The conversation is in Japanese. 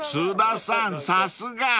さすが］